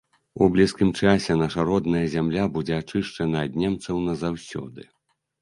У блізкім часе наша родная зямля будзе ачышчана ад немцаў назаўсёды.